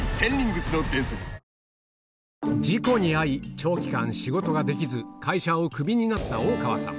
長期間仕事ができず会社をクビになった大川さん